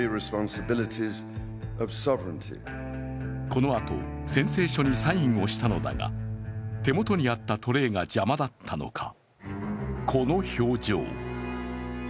このあと、宣誓書にサインをしたのだが手元にあったトレーが邪魔だったのか、この表情。